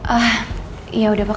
ah yaudah pakang